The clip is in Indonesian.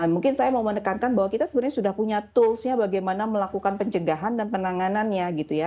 mungkin saya mau menekankan bahwa kita sebenarnya sudah punya toolsnya bagaimana melakukan pencegahan dan penanganannya gitu ya